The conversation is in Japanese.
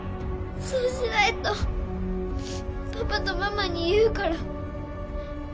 そうしないとパパとママに言うから